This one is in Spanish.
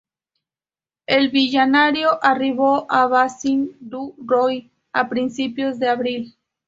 El "Villarino" arribó a Bassin du Roi a principios de abril.